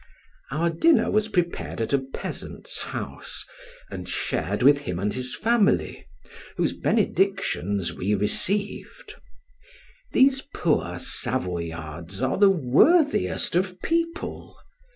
Our dinner was prepared at a peasant's house, and shared with him and his family, whose benedictions we received. These poor Savoyards are the worthiest of people!